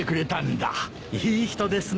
いい人ですね。